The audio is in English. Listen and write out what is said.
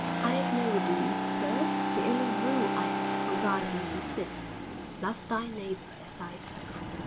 'I 'ave no views, sir. The only rule I 'ave for guidance is this love thy neighbour as thyself.'